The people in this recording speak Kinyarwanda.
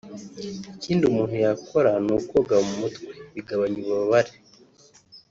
Ikindi umuntu yakora ni ukoga mu mutwe bikagabanya ububabare